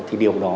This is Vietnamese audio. thì điều đó